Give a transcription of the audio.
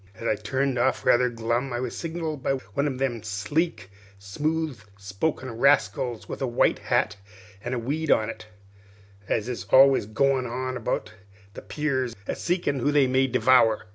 As I turned off rather glum I was signalled by one of them sleek, smooth spoken rascals with a white hat an' a weed on it, as is always goin' about the piers a seekin' who they may devower.